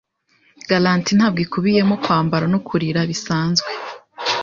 Garanti ntabwo ikubiyemo kwambara no kurira bisanzwe.